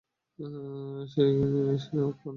এসে খেয়ে নেও, মা।